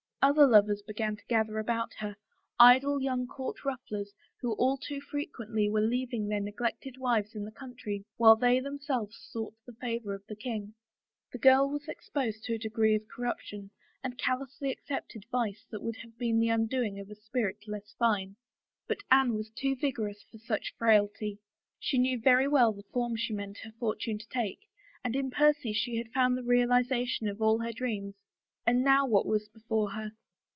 Other lovers began to gather about her, idle young court rufflers who all too frequently were leaving their n^lected wives in the country while they them selves sought the favor of the king. The girl was exposed to a degree of corruption and callotisly accepted vice that would have been the undoing of a spirit less fine. But Anne was too vigorous for such frailty. She knew very well the form she meant her fortune to take and in Percy she had found the real ization of all her dreams. And now what was before her?